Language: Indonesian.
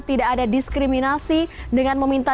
tidak ada diskriminasi dengan meminta